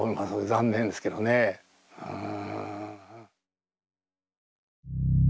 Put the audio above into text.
残念ですけどねうん。